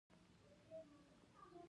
سیاسي او ټولنیز نوښتونه وو.